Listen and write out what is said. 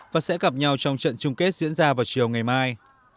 và sẽ gặp nhau trong trận chung kết diễn ra vào chiều ngày mai